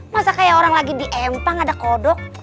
masa kayak orang lagi diempang ada kodok